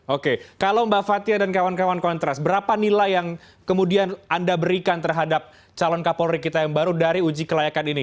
oke kalau mbak fathia dan kawan kawan kontras berapa nilai yang kemudian anda berikan terhadap calon kapolri kita yang baru dari uji kelayakan ini